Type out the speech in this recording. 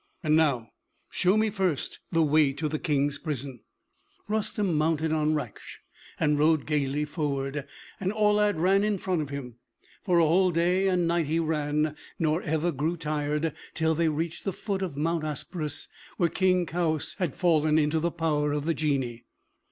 And now show me first the way to the King's prison." Rustem mounted on Raksh, and rode gaily forward, and Aulad ran in front of him. For a whole day and night he ran, nor ever grew tired, till they reached the foot of Mount Asprus, where King Kaoüs had fallen into the power of the Genii.